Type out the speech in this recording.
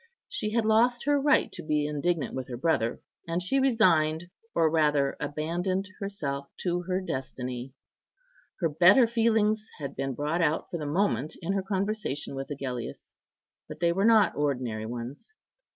She had lost her right to be indignant with her brother, and she resigned or rather abandoned herself to her destiny. Her better feelings had been brought out for the moment in her conversation with Agellius; but they were not ordinary ones.